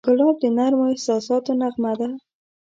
ګلاب د نرمو احساساتو نغمه ده.